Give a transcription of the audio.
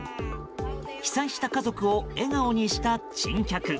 被災した家族を笑顔にした珍客。